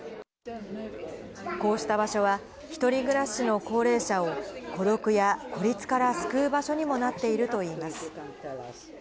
こうした場所は、１人暮らしの高齢者を、孤独や孤立から救う場所にもなっているといいます。